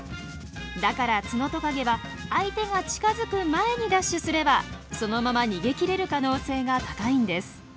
だからツノトカゲは相手が近づく前にダッシュすればそのまま逃げきれる可能性が高いんです。